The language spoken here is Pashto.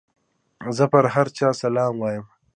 زه پر هر چا سلام وايم.